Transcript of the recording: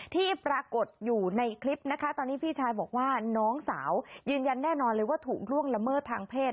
ที่ปรากฏอยู่ในคลิปนะคะตอนนี้พี่ชายบอกว่าน้องสาวยืนยันแน่นอนเลยว่าถูกล่วงละเมิดทางเพศ